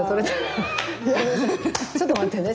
ちょっと待ってね。